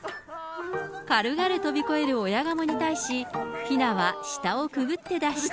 軽々飛び越える親ガモに対し、ひなは下をくぐって脱出。